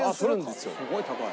すごい高い。